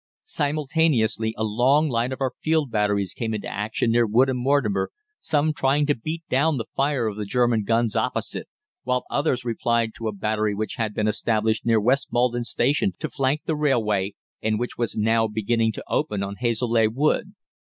"Simultaneously a long line of our field batteries came into action near Woodham Mortimer, some trying to beat down the fire of the German guns opposite, while others replied to a battery which had been established near West Maldon Station to flank the railway, and which was now beginning to open on Hazeleigh Wood.